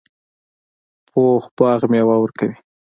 پوخ باغ میوه ورکوي